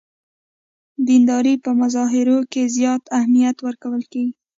دیندارۍ په مظاهرو کې زیات اهمیت ورکول کېږي.